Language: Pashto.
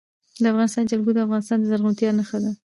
د افغانستان جلکو د افغانستان د زرغونتیا نښه ده.